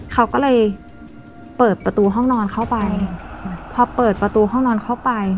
เขาก็เลยเปิดประตูห้องนอนเข้าไปพอเปิดประตูห้องนอนเข้าไป